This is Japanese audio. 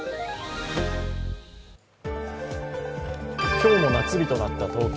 今日も夏日となった東京。